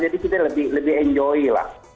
jadi kita lebih enjoy lah